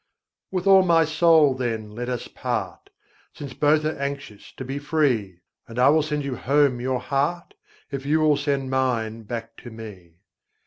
With all my soul, then, let us part, Since both are anxious to be free; And I will sand you home your heart, If you will send mine back to me.